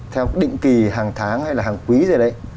theo định kỳ hàng tháng hay là hàng quý rồi đấy